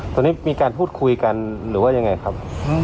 ตอนนี้มีการพูดคุยกันหรือว่ายังไงครับ